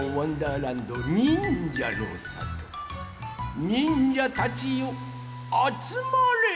らんどにんじゃのさと。にんじゃたちよあつまれ！